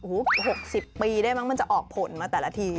โอ้โห๖๐ปีได้มั้งมันจะออกผลมาแต่ละที